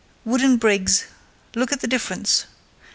Wood and Briggs, look at the difference!